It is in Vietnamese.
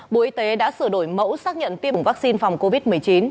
bộ y tế đã sửa đổi mẫu xác nhận tiêm bổ sung vaccine phòng covid một mươi chín